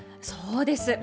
そうです。